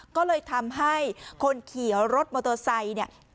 ก็เลยทำให้คนขี่รถมอเตอร์ไซค์เนี่ย